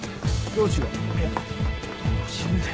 どうしようって。